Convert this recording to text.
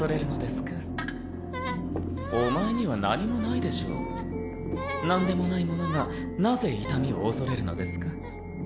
お前には何もないなんでもないものがなぜ痛みを恐れるのですか？